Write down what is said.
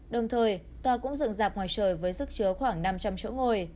đồng thời tòa cũng dựng dạp ngoài trời với sức chứa khoảng năm trăm linh chỗ ngồi